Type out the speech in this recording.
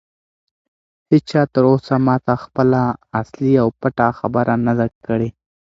هیچا تر اوسه ماته خپله اصلي او پټه خبره نه ده کړې.